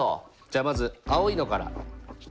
じゃあまず青いのから。